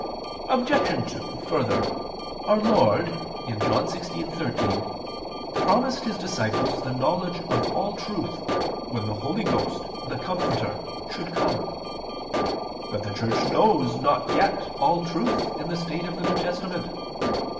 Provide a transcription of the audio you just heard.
Obj. 2: Further, Our Lord (John 16:13) promised His disciples the knowledge of all truth when the Holy Ghost, the Comforter, should come. But the Church knows not yet all truth in the state of the New Testament.